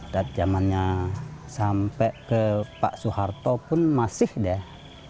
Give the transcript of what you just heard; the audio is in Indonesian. dan zamannya sampai ke pak soeharto pun masih deh